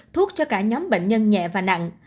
thuốc cho cả nhóm bệnh nhân nhẹ và nặng